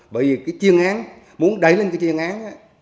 bởi vì cái tiên án muốn đẩy lên cái chuyên án